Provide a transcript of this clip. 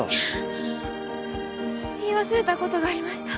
言い忘れた事がありました。